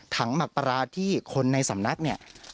หมักปลาร้าที่คนในสำนักเนี่ย